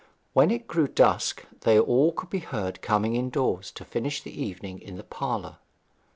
When it grew dusk they all could be heard coming indoors to finish the evening in the parlour.